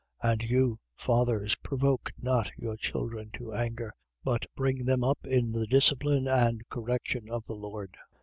6:4. And you, fathers, provoke not your children to anger: but bring them up in the discipline and correction of the Lord.